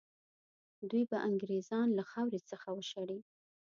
دوی به انګرېزان له خاورې څخه وشړي.